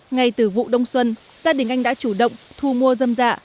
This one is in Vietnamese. ngay từ vụ đông xuân gia đình anh đã chủ động thu mua dâm dạ